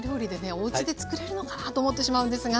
おうちでつくれるのかなと思ってしまうんですが。